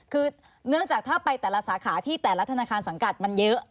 คือเนื่องจากถ้าไปแต่ละสาขาที่แต่ละธนาคารสังกัดมันเยอะ